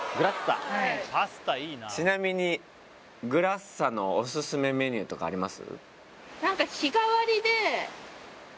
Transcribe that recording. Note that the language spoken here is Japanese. ちなみにＧＲＡＳＳＡのオススメメニューとかあります？